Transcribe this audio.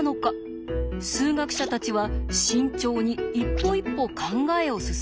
数学者たちは慎重に一歩一歩考えを進めていきました。